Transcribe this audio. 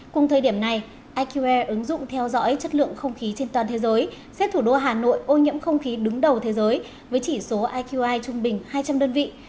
cùng thời điểm này iqe ứng dụng theo dõi chất lượng không khí trên toàn thế giới xếp thủ đô hà nội ô nhiễm không khí đứng đầu thế giới với chỉ số iqi trung bình hai trăm linh đơn vị